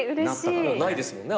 もうないですもんね